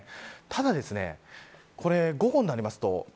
ただ、午後になりますと